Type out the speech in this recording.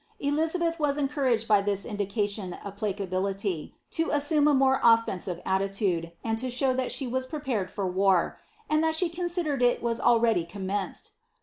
Elizabeth was encouraged by this indication of pla cability, to assume a more offensive attitude, and to show that she was prepared for war, and that she considered it was already commenced.